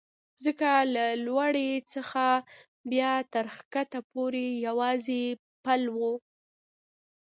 ځکه له لوړې څخه بیا تر کښته پورې یوازې یو پل و.